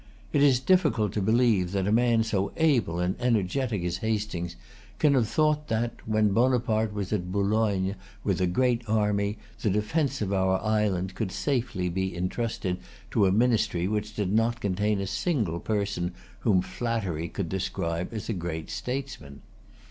It is difficult to believe that a man so able and energetic as Hastings can have thought that, when Bonaparte was at Boulogne with[Pg 238] a great army, the defence of our island could safely be entrusted to a ministry which did not contain a single person whom flattery could describe as a great statesman.